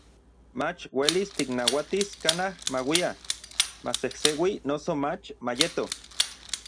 mach uelis tiknauatis kanaj mauia, masejseui noso mach mayeto.